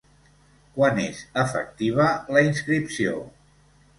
Quan és efectiva la inscripció?